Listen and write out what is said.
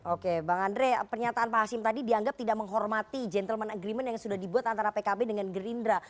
oke bang andre pernyataan pak hasim tadi dianggap tidak menghormati gentleman agreement yang sudah dibuat antara pkb dengan gerindra